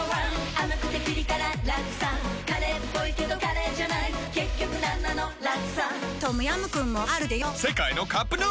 甘くてピリ辛ラクサカレーっぽいけどカレーじゃない結局なんなのラクサトムヤムクンもあるでヨ世界のカップヌードル